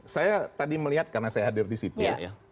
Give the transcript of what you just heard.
saya tadi melihat karena saya hadir di situ